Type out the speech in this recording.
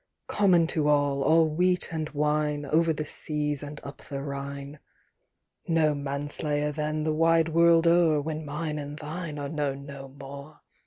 Common to all all wheat and wine Over the seas and up the Rhine. No manslayer then the wide world o'er When Mine and Thine are known no more.